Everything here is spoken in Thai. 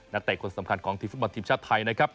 เตะคนสำคัญของทีมฟุตบอลทีมชาติไทยนะครับ